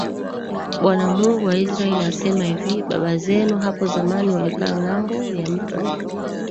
Bwana Mungu wa Israeli asema hivi Baba zenu hapo zamani walikaa ngambo ya Mto